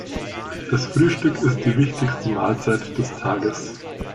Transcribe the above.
Das Frühstück ist die wichtigste Mahlzeit des Tages.